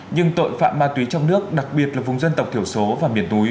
nhưng tội phạm ma túy trong nước đặc biệt là vùng dân tộc thiểu số và miền núi